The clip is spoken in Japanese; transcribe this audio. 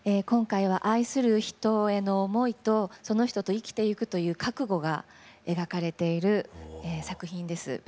今回は愛する人への思いとその人と生きてゆくという覚悟が描かれている作品です。